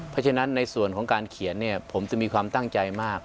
เพราะฉะนั้นในส่วนของการเขียนผมจะมีความตั้งใจมาก